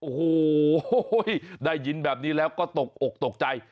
โอ้โหได้ยินแบบนี้แล้วก็ตกอกตกใจ